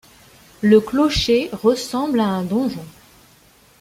Le clocher ressemble à un donjon.